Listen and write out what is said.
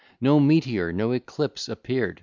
No meteor, no eclipse appear'd!